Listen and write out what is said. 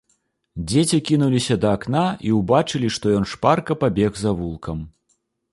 Дзеці кінуліся да акна і ўбачылі, што ён шпарка пабег завулкам.